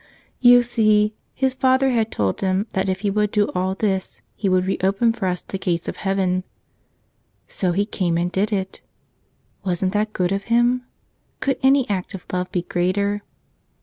You see, His Father had told Him that if He would do all this He would reopen for us the gates of heaven. So He came and did it. Wasn't that good of Him? Could any act of love be greater?